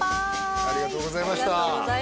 ありがとうございましたカンパーイ！